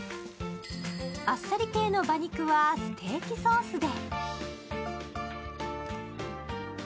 あっさり系の馬肉はステーキソースで。